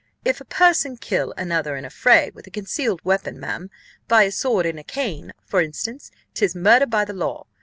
If a person kill another in a fray, with a concealed weapon, ma'am, by a sword in a cane, for instance, 'tis murder by the law.